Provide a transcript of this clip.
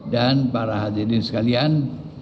dan para hadirin sekalian